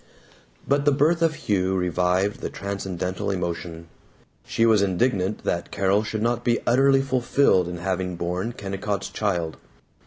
But the birth of Hugh revived the transcendental emotion. She was indignant that Carol should not be utterly fulfilled in having borne Kennicott's child.